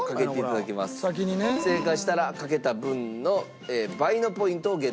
正解したらかけた分の倍のポイントをゲット。